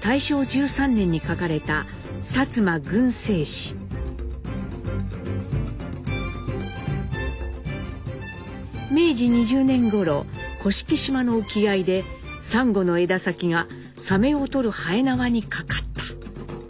大正１３年に書かれた明治２０年ごろ甑島の沖合でサンゴの枝先がサメを捕るはえなわに掛かった。